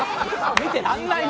見てらんないな。